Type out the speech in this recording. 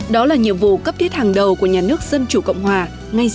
đó là nhiệm vụ cấp thiết hàng đầu của nhà nước dân chủ cộng hòa